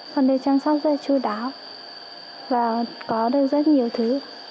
con được chăm sóc rất là chú đáo và có được rất nhiều thứ